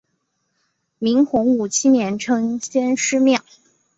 明洪武七年称先师庙。